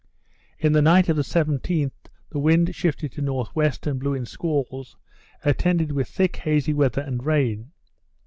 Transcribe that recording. In the night of the 17th, the wind shifted to N.W., and blew in squalls, attended with thick hazy weather and rain.